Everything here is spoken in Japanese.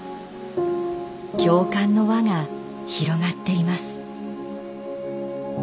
共感の輪が広がっています。